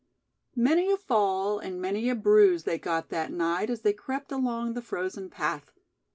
Many a fall and many a bruise they got that night as they crept along the frozen path.